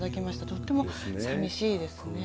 とってもさみしいですね。